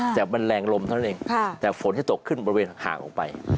แต่มันแรงลมเท่านั้นเองแต่ฝนจะตกขึ้นบริเวณห่างออกไป